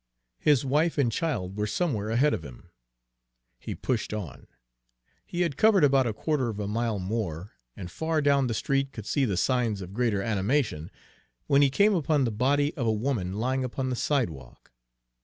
His wife and child were somewhere ahead of him. He pushed on. He had covered about a quarter of a mile more, and far down the street could see the signs of greater animation, when he came upon the body of a woman lying upon the sidewalk.